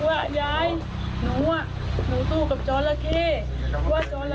พยายามจะเอาตัวหัวโห